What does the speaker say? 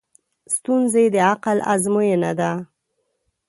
ستونزې د عقل ازموینه ده.